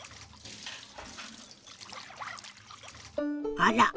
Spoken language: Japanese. あら！